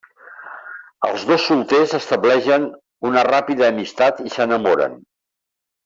Els dos solters estableixen una ràpida amistat i s'enamoren.